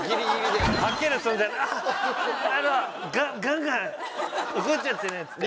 はける寸前「あのガンガン怒っちゃってね」っつって。